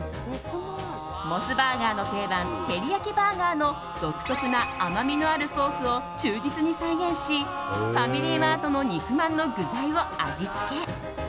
モスバーガーの定番テリヤキバーガーの独特な甘みのあるソースを忠実に再現しファミリーマートの肉まんの具材を味付け。